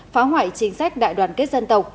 phá hoại chính sách đại đoàn kết dân tộc